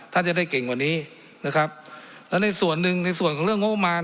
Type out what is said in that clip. ท่านจะได้เก่งกว่านี้นะครับแล้วในส่วนหนึ่งในส่วนของเรื่องงบประมาณ